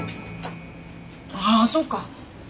あっそうか。